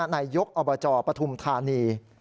นายกอบจปฐุมธานี